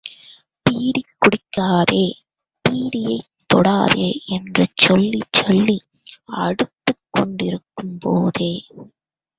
PT குடிக்காதே, பீடியைத் தொடாதே என்று சொல்லிச்சொல்லி அடித்துக கொண்டிருக்கும் போதே.